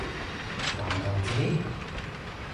男同志？